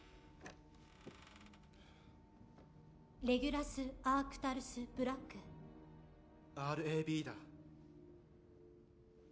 「レギュラス・アークタルス・ブラック」ＲＡＢだ